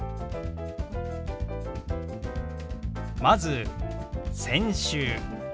まず「先週」。